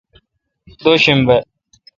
دو شنبہ